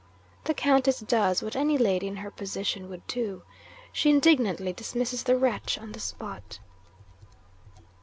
The Countess does, what any lady in her position would do; she indignantly dismisses the wretch on the spot.